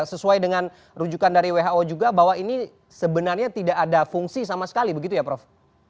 sesuai dengan rujukan dari who juga bahwa ini sebenarnya tidak ada fungsi sama sekali begitu ya prof